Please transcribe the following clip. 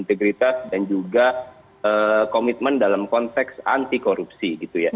integritas dan juga komitmen dalam konteks anti korupsi